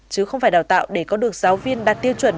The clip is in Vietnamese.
chứ không phải đào tạo để có được giáo viên đạt tiêu chuẩn